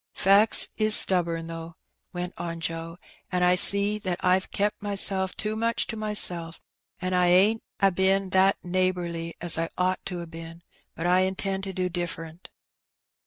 "Facts is stubborn, though," went on Joe, '^an' I see that I've kep' mysel' too much to mysel', an' I ain't a been that neighbourly as I ought to ha' been; but I intend to do differ'nt."